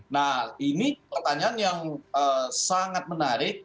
nah ini pertanyaan yang sangat menarik